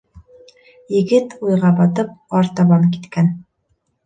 Егет, уйға батып, артабан киткән.